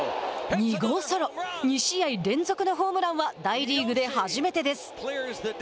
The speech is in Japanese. ２号ソロ２試合連続のホームランは大リーグで初めてです。